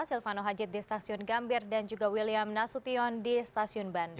silvano hajid di stasiun gambir dan juga william nasution di stasiun bandung